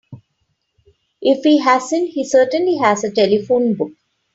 If he hasn't he certainly has a telephone book.